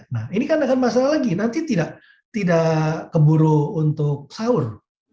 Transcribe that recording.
nah ini kan akan masalah lagi nanti tidak keburu untuk sahur